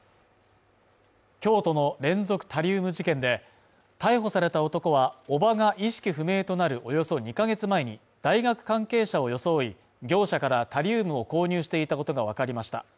京都の連続タリウム事件で、逮捕された男は、叔母が意識不明となるおよそ２か月前に大学関係者を装い、業者からタリウムを購入していたことがわかりました。